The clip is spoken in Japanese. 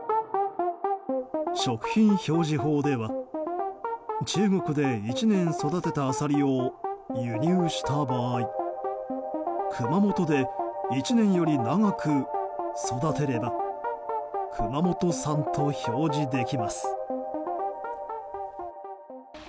食品表示法では中国で１年育てたアサリを輸入した場合熊本で１年より長く育てれば熊本産と表示できます。